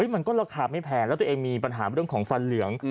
มันก็ราคาไม่แพงแล้วตัวเองมีปัญหาเรื่องของฟันเหลือง